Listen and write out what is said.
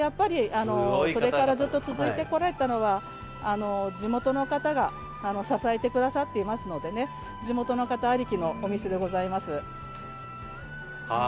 それからずっと続いてこられたのは地元の方が支えてくださっていますので地元の方ありきのお店でございます。